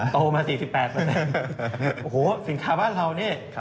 โตมา๔๘เปอร์เซ็นต์โหสินค้าบ้านเรานี่